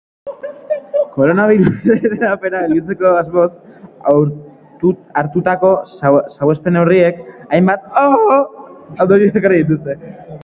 Koronabirusaren hedapena gelditzeko asmoz hartutako salbuespen-neurriek hainbat ondorio ekarri dituzte.